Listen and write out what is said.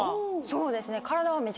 そうですね。